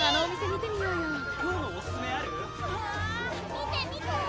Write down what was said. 見て見て！